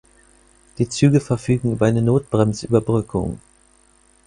Die Züge verfügen über eine Notbremsüberbrückung.